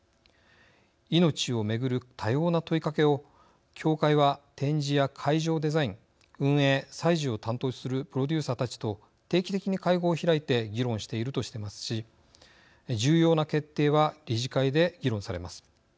命を巡る多様な問いかけを協会は展示や会場デザイン運営、催事を担当するプロデューサーたちと定期的に会合を開いて議論しているとしていますし重要な決定は理事会で議論されます。